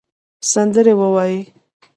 سندرې ووایې